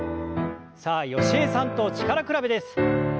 さあ吉江さんと力比べです。